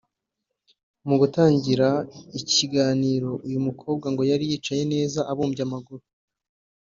Mu gutangira ikiganiro uyu mukobwa ngo yari yicaye neza abubye amaguru